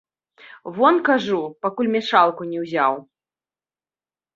Вон, кажу, пакуль мешалку не ўзяў.